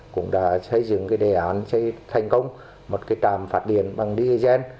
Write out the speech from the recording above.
cũng đã xây dựng đề án thành công một trạm phát điện bằng d gen